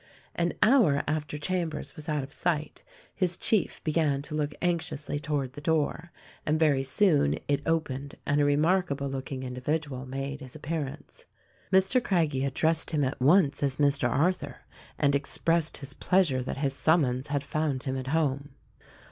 An hour after Chambers was out of sight his chief began to look anxiously toward the door, and very soon it opened and a remarkable looking individual made his appearance. Mr. Craggie addressed him at once as Mr. Arthur and expressed his pleasure that his summons had found him at home.